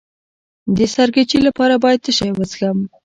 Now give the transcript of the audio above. د سرګیچي لپاره باید څه شی وڅښم؟